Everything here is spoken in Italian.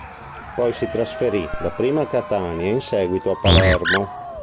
Poi si trasferì dapprima a Catania e in seguito a Palermo.